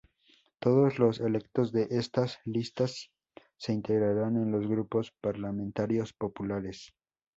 Todos los electos de estas listas se integrarán en los grupos parlamentarios populares.